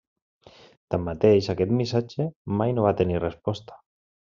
Tanmateix, aquest missatge mai no va tenir resposta.